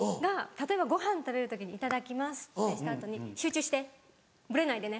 例えばごはん食べる時にいただきますってした後に「集中してブレないでね」